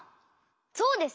ゾウですか？